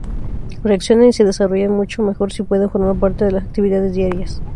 Reaccionan y se desarrollan mucho mejor si pueden formar parte de las actividades diarias.